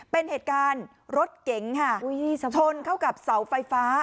เป็นเหตุการณ์รถเก๋งค่ะชนเข้ากับเสาไฟฟ้า